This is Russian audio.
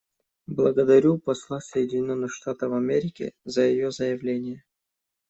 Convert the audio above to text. Благодарю посла Соединенных Штатов Америки за ее заявление.